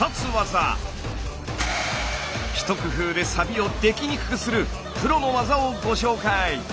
一工夫でサビをできにくくするプロの技をご紹介。